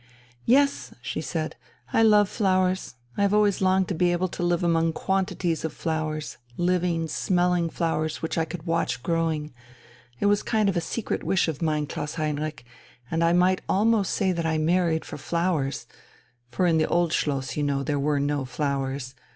"Yes," she said, "I love flowers. I have always longed to be able to live among quantities of flowers, living, smelling flowers, which I could watch growing it was a kind of secret wish of mine, Klaus Heinrich, and I might almost say that I married for flowers, for in the Old Schloss, as you know, there were no flowers....